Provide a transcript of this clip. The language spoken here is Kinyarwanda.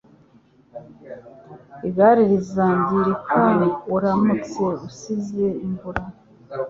Igare rizangirika uramutse usize imvura.